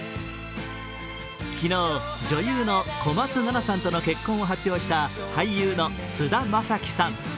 昨日、女優の小松菜奈さんとの結婚を発表した俳優の菅田将暉さん。